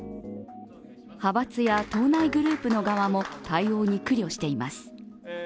派閥や党内グループの側も対応に苦慮しています。